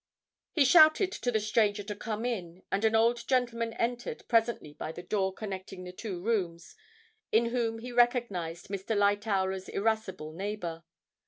He shouted to the stranger to come in, and an old gentleman entered presently by the door connecting the two rooms, in whom he recognised Mr. Lightowler's irascible neighbour.